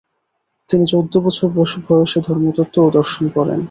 তিনি চৌদ্দ বছর বয়সে ধর্মতত্ত্ব ও দর্শন পড়েন।